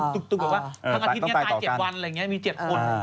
ตายตุกแบบว่าทั้งอาทิตย์นี้ตาย๗วันมี๗คน